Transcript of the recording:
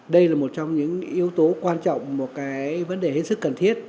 đây là một trong những yếu tố quan trọng một cái vấn đề hết sức cần thiết